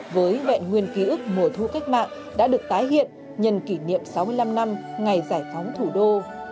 với vẹn nguyên ký ức mùa thu cách mạng đã được tái hiện nhân kỷ niệm sáu mươi năm năm ngày giải phóng thủ đô